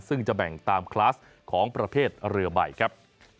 ซึ่งจะแบ่งตามคลาสของประเภทเรือใบครับ